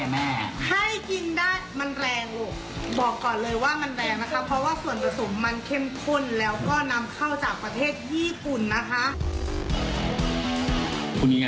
มีความรู้สึกว่ามีความรู้สึกว่า